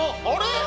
あれ？